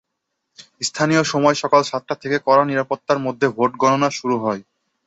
স্থানীয় সময় সকাল সাতটা থেকে কড়া নিরাপত্তার মধ্যে ভোট নেওয়া শুরু হয়।